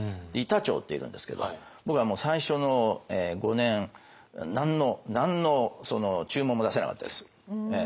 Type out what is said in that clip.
板長っているんですけど僕はもう最初の５年何の何の注文も出せなかったです。